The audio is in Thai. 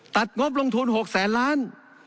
งบลงทุน๖แสนล้าน